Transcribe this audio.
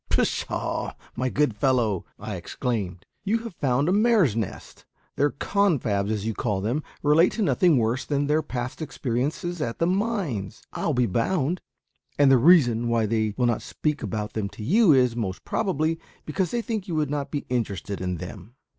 "Pshaw! my good fellow," I exclaimed, "you have found a mare's nest. Their `confabs,' as you call them, relate to nothing worse than their past experiences at the mines, I'll be bound. And the reason why they will not speak about them to you is, most probably, because they think you would not be interested in them."